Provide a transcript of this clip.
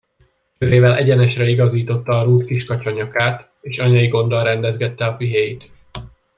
Csőrével egyenesre igazította a rút kiskacsa nyakát, és anyai gonddal rendezgette a pihéit.